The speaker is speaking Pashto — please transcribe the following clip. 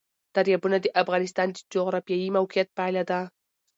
دریابونه د افغانستان د جغرافیایي موقیعت پایله ده.